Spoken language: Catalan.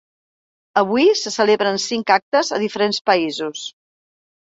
Avui se celebren cinc actes a diferents països.